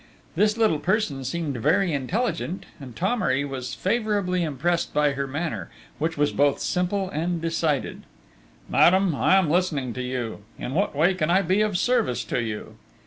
This little person seemed very intelligent, and Thomery was favourably impressed by her manner, which was both simple and decided. "Madame, I am listening to you. In what way can I be of service to you?"